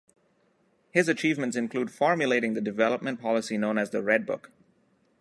His achievements include formulating the development policy known as the Red Book.